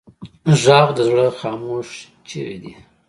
غږ د زړه خاموش چیغې دي